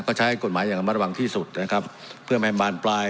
ก็ใช้กฎหมายอย่างระมัดระวังที่สุดนะครับเพื่อไม่บานปลาย